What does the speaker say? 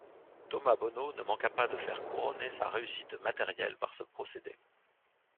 Thomas Bonneau ne manqua pas de faire couronner sa réussite matérielle par ce procédé.